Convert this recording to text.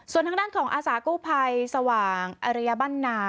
ส่วนทางด้านของอาสากู้ภัยสว่างอริยบ้านนา